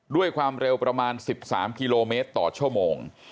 ด้วยความเร็วประมาณ๑๓กิโลเมตรต่อชั่วโมง